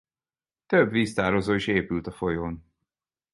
Több víztározó is épült a folyón.